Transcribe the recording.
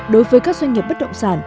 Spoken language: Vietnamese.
đối với các doanh nghiệp bất động sản